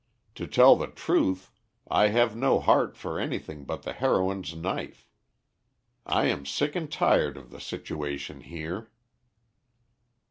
To tell the truth, I have no heart for anything but the heroine's knife. I am sick and tired of the situation here."